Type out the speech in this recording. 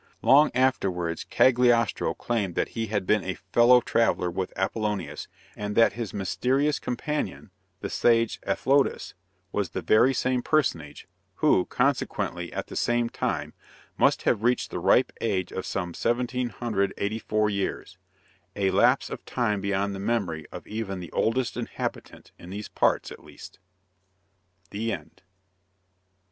Long afterwards, Cagliostro claimed that he had been a fellow traveler with Apollonius, and that his mysterious companion, the sage Athlotas, was the very same personage, who, consequently, at that time, must have reached the ripe age of some 1784 years a lapse of time beyond the memory of even "the oldest inhabitant," in these parts, at least! THE END.